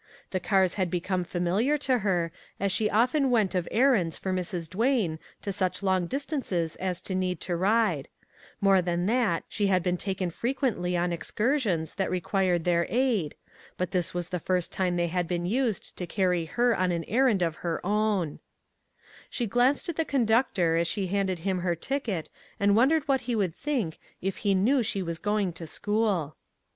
The cars had be come familiar to her, as she often went of er rands for Mrs. Duane to such long distances as to need to ride; more than that, she had been taken frequently on excursions that required their aid, but this was the first time they had been used to carry her on an errand of her own. 3" MAG AND MARGARET She glanced at the conductor as she handed him her ticket and wondered what he would think if he knew she was going to school.